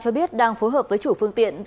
cho biết đang phối hợp với chủ phương tiện